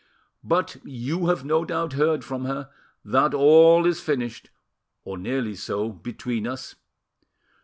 But, you have no doubt heard from her, that all is finished, or nearly so, between us.